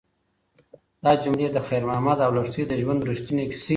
دا جملې د خیر محمد او لښتې د ژوند رښتونې کیسې دي.